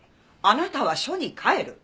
あなたは署に帰る。